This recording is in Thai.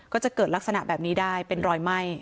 ก็จะเกิดลักษณะแบบนี้ได้เป็นรอยไหม้